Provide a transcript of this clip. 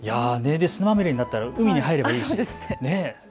砂まみれになったら海に入ればいいし。